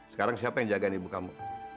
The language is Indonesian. sekarang siapa yang jagain ibu kamu